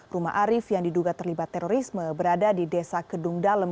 rumah arief yang diduga terlibat terorisme berada di desa kedung dalem